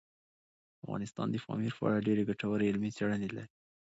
افغانستان د پامیر په اړه ډېرې ګټورې علمي څېړنې لري.